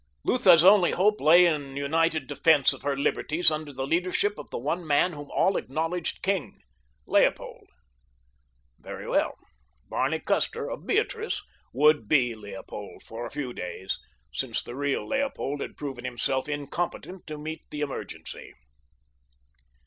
Lutha's only hope lay in united defense of her liberties under the leadership of the one man whom all acknowledged king—Leopold. Very well, Barney Custer, of Beatrice, would be Leopold for a few days, since the real Leopold had proven himself incompetent to meet the emergency.